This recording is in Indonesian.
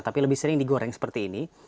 tapi lebih sering digoreng seperti ini